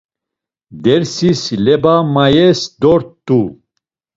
Dersis leba mayes dort̆u.